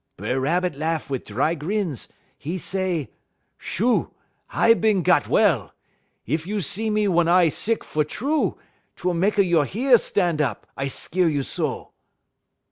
"B'er Rabbit larf wit' dry grins. 'E say: "'Shoo! I bin got well. Ef you is see me wun I sick fer true, 't will mekky you heer stan' up, I skeer you so.'